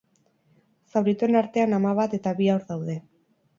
Zaurituen artean ama bat eta bi haur daude.